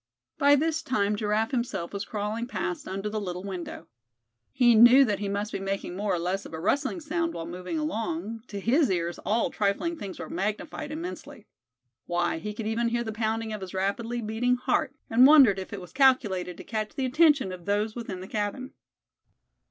By this time Giraffe himself was crawling past under the little window. He knew that he must be making more or less of a rustling sound while moving along; to his ears all trifling things were magnified immensely; why, he could even hear the pounding of his rapidly beating heart, and wondered if it was calculated to catch the attention of those within the cabin.